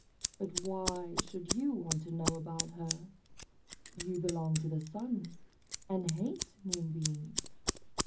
But why should you want to know about her? You belong to the Sun, and hate Moonbeams."